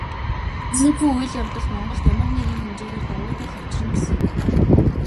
Иймэрхүү үйл явдал Монголд ямар нэгэн хэмжээгээр давуу тал авчирна гэсэн үг.